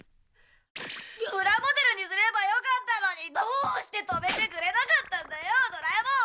プラモデルにすればよかったのにどうして止めてくれなかったんだよドラえもん！